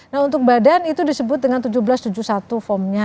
nah untuk badan itu disebut dengan seribu tujuh ratus tujuh puluh satu formnya